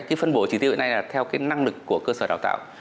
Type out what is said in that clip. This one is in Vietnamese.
cái phân bổ chỉ tiêu này là theo cái năng lực của cơ sở đào tạo